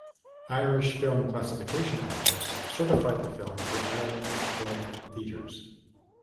Irish Film Classification Office certified the film for Ireland film theaters.